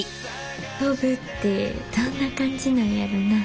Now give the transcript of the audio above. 飛ぶってどんな感じなんやろな。